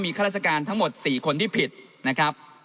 ข้าราชการทั้งหมด๔คนที่ผิดนะครับ